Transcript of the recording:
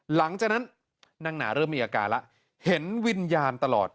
หลังจากนั้นนางหนาเริ่มมีอาการแล้วเห็นวิญญาณตลอด